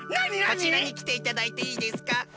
こちらにきていただいていいですか？